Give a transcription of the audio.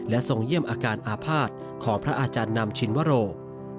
ทรงเยี่ยมอาการอาภาษณ์ของพระอาจารย์นำชินวโร